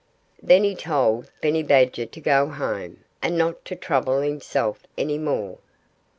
Then he told Benny Badger to go home, and not to trouble himself any more.